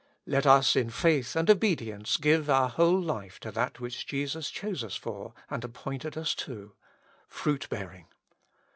Let us in faith and obedience give our whole life to that which Jesus chose us for and appointed us to — fruit bearing.